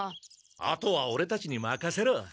あとはオレたちにまかせろ！